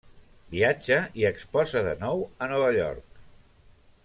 Viatja i exposa de nou a Nova York.